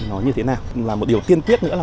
nó như thế nào là một điều tiên tiết nữa là